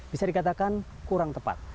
bisa dikatakan kurang tepat